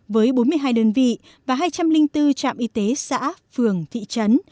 với bốn mươi hai đơn vị và hai trăm linh bốn trạm y tế xã phường thị trấn